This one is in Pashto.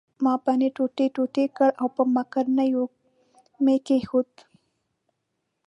ما پنیر ټوټه ټوټه کړ او په مکرونیو مې کښېښود.